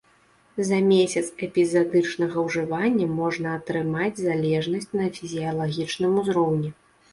За месяц эпізадычнага ўжывання можна атрымаць залежнасць на фізіялагічным узроўні.